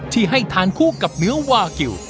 ที่ให้ทานคู่กับเนื้อวากิล